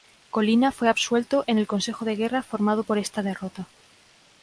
Colina fue absuelto en el consejo de guerra formado por esta derrota.